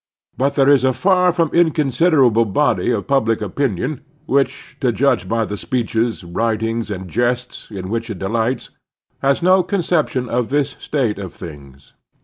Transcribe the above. But there is a far from inconsiderable body of public opinion which, to judge by the speeches, writings, and jests in which it delights, has no conception of this state of things.